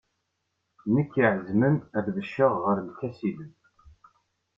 Nekk i iɛezmen ad becceɣ ɣer lkas ilem.